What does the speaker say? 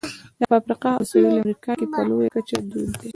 دا په افریقا او سوېلي امریکا کې په لویه کچه دود دي.